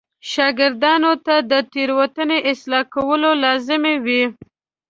شاګردانو ته د تېروتنو اصلاح کول لازمي و.